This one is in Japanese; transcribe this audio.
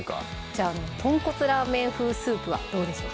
じゃあ「とんこつラーメン風スープ」はどうでしょう